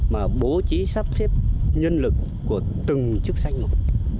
mà bố trí sắp xếp nhân lực của từng chức danh một